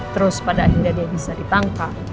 terus pada akhirnya dia bisa ditangkap